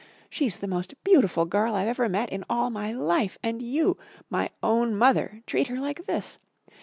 She's the most beautiful girl I've ever met in all my life and you my own mother treat her like this.